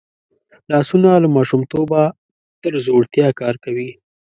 لاسونه له ماشومتوبه تر زوړتیا کار کوي